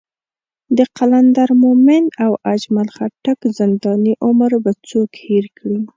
د قلندر مومند او اجمل خټک زنداني عمر به څوک هېر کړي.